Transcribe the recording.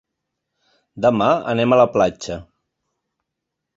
Demà anem a la platja.